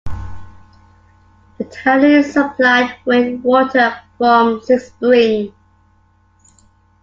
The town is supplied with water from six springs.